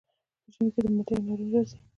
په ژمي کې مالټې او نارنج راځي.